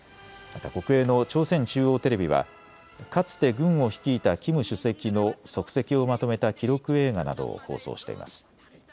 また国営の朝鮮中央テレビはかつて軍を率いたキム主席の足跡をまとめた記録映画などを放送しています。